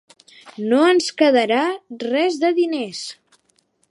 No ens quedarà res de diners.